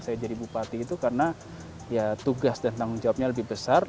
saya jadi bupati itu karena ya tugas dan tanggung jawabnya lebih besar